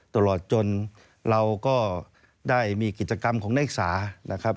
ตลอดจนเราก็ได้มีกิจกรรมของนักศึกษานะครับ